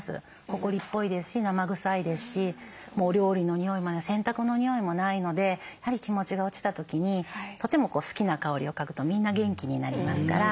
ほこりっぽいですし生臭いですしお料理の匂いもない洗濯の匂いもないのでやはり気持ちが落ちた時にとても好きな香りを嗅ぐとみんな元気になりますから。